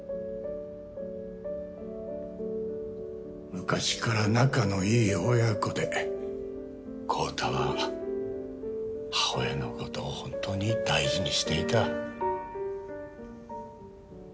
昔から仲のいい親子で昂太は母親のことを本当に大事にしていた。